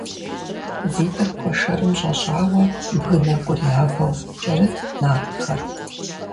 ВитӀыр куэшэрым щӀэщӀауэ бгы нэкӀур явэу кӀэрытт нартхэр.